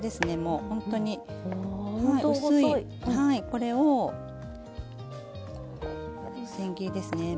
これを千切りですね。